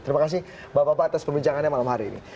terima kasih bapak bapak atas perbincangannya malam hari ini